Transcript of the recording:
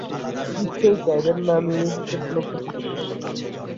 নিশ্চয়ই চাইবেন না আমি এই অফিসারের কোনো ক্ষতি করি।